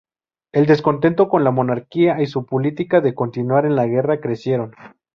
El descontento con la monarquía y su política de continuar en la Guerra crecieron.